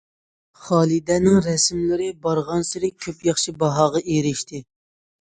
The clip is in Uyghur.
خالىدەنىڭ رەسىملىرى بارغانسېرى كۆپ ياخشى باھاغا ئېرىشتى.